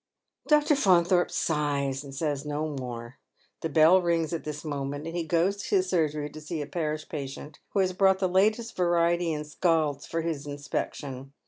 Dr. Faunthorpe sighs and says no more. The bell rings at this moment, and he goes to his surgery to see a parish patient, who has brought the latest variety in scalds for his inspection.